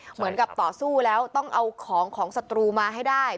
เหมือนกับต่อสู้แล้วต้องเอาของของศัตรูมาให้ได้